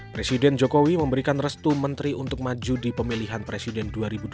presiden jokowi memberikan restu menteri untuk maju di pemilihan presiden dua ribu dua puluh